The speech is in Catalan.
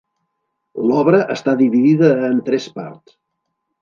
L'obra està dividida en tres parts.